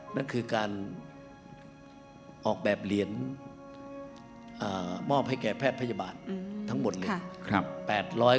นั่นคือการออกแบบเหรียญมอบให้แก่แพทย์พยาบาลทั้งหมดเลย